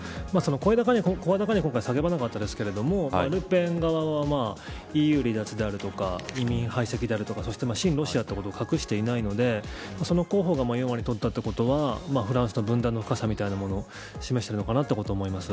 声高に今は今回叫ばなかったですがルペン側は、ＥＵ離脱であるとか移民排斥だとか親ロシアということを隠していないのでその候補が４割とったということはフランスの分断の深さみたいなものを示したのかと思います。